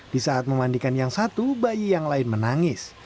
di saat memandikan yang satu bayi yang lain menangis